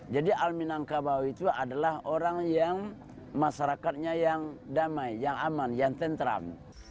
jadi al minangkabawi itu adalah orang yang masyarakatnya yang damai yang aman yang tentram